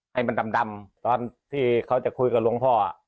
ให้มันดำตอนที่เขาจะคุยกับหลวงพ่อ